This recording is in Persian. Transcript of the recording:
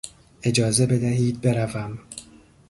اجازه بدهید بروم.